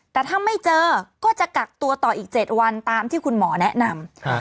แต่ถ้าไม่เจอก็จะกักตัวต่ออีก๗วันตามที่คุณหมอแนะนำ